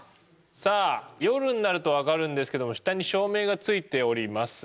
さあ夜になるとわかるんですけども下に照明が付いております。